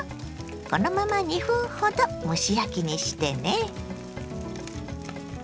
このまま２分ほど蒸し焼きにしてね。